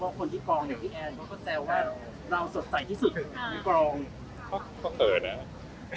เพราะคนที่กรองเดี๋ยวพี่แอร์ก็แจ้วว่าเราสดใจที่สุดในกรอง